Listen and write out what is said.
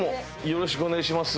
よろしくお願いします。